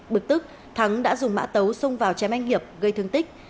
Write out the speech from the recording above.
bực tức thắng đã dùng mã tấu xông vào chém anh hiệp gây thương tích